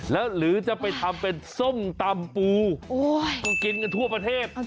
แล้วหรือจะไปทำเป็นส้มตำปูก็กินกันทั่วประเทศ